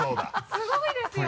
すごいですよね。